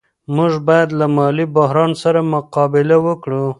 موږ باید له مالي بحران سره مقابله وکړو.